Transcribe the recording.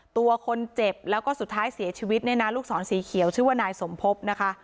ตัวคนเจ็บแล้วก็สุดท้ายเสียชีวิตลูกศรสีเขียวชื่อว่านายสมภพ